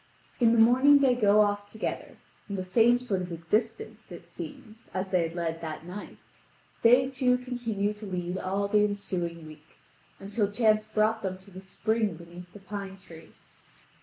(Vv. 3485 3562.) In the morning they go off together, and the same sort of existence, it seems, as they had led that night, they two continued to lead all the ensuing week, until chance brought them to the spring beneath the pine tree.